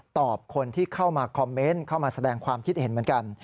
คนที่เข้ามาคอมเมนต์เข้ามาแสดงความคิดเห็นเหมือนกัน